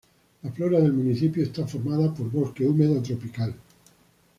La flora del municipio está formada por bosque húmedo tropical.